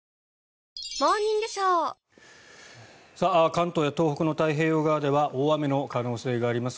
関東や東北の太平洋側では大雨の可能性があります。